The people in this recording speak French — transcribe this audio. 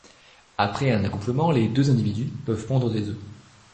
Après un accouplement, les deux individus peuvent pondre des œufs.